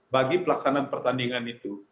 bagi pelaksanaan pertandingan itu